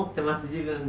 自分で。